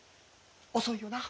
遅いよな。